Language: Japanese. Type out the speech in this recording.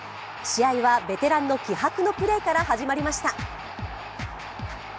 試合はベテランの気迫のプレーから始まりました。